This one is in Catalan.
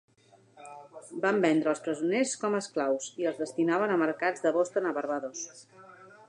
Van vendre els presoners com a esclaus, i els destinaven a mercats de Boston a Barbados.